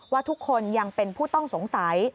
ว่าทุกคนยังเป็นผู้ต้องสงสัย